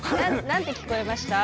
何て聞こえました？